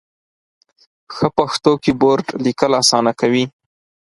ښه پښتو کېبورډ ، لیکل اسانه کوي.